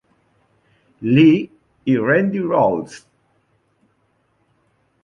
Lee y Randy Rhoads.